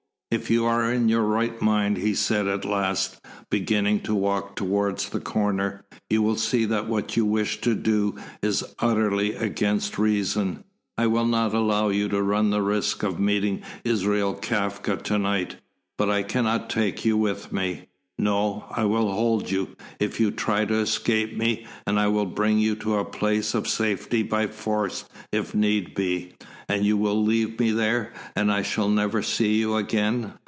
"If you are in your right mind," he said at last, beginning to walk towards the corner, "you will see that what you wish to do is utterly against reason. I will not allow you to run the risk of meeting Israel Kafka to night, but I cannot take you with me. No I will hold you, if you try to escape me, and I will bring you to a place of safety by force, if need be." "And you will leave me there, and I shall never see you again.